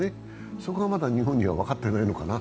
そこがまだ日本では分かってないのかな。